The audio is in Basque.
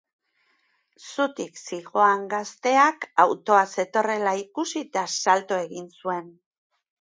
Zutik zihoan gazteak autoa zetorrela ikusi eta salto egin zuen.